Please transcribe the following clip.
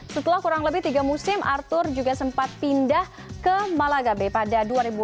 setelah kurang lebih tiga musim arthur juga sempat pindah ke malagabe pada dua ribu enam belas